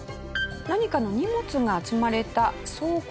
何かの荷物が積まれた倉庫でしょうか？